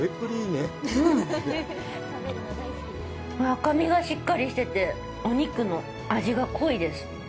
赤身がしっかりしてて、お肉の味が濃いです。